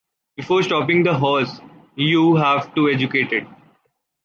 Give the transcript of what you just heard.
Before stopping the horse, you have to educate it.